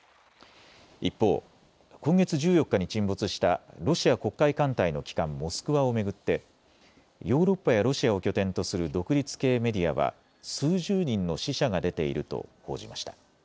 一方、今月１４日に沈没したロシア黒海艦隊の旗艦モスクワを巡ってヨーロッパやロシアを拠点とする独立系メディアは数十人の死者が出ていると報じました。